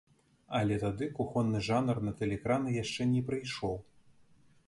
Але тады кухонны жанр на тэлеэкраны яшчэ не прыйшоў.